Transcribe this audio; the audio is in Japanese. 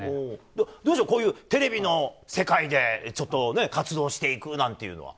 どうでしょう、テレビの世界で活動していくなんていうのは？